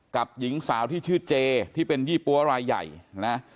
กับหญิงสาวที่ชื่อเจที่เป็นยี่ปั้วไร่ใหญ่นะฮะ